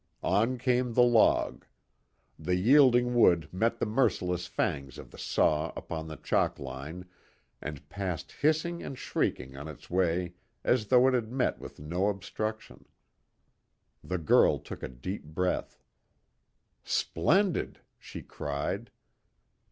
On came the log. The yielding wood met the merciless fangs of the saw upon the chalk line, and passed hissing and shrieking on its way as though it had met with no obstruction. The girl took a deep breath. "Splendid," she cried.